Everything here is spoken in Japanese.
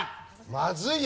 まずいよ。